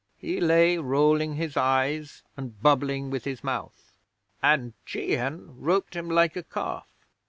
He lay rolling his eyes and bubbling with his mouth, and Jehan roped him like a calf.